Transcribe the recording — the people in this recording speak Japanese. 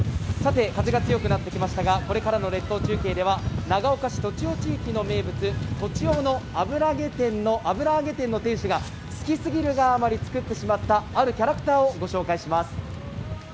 風が強くなってきましたがこれからの列島中継では、長岡市栃尾地域の名物、栃尾の油揚げ店の店主が好きすぎるがあまり作ってしまったあるキャラクターを御紹介します。